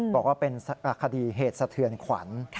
บอกว่าเป็นคดีเหตุสะเทือนขวัญ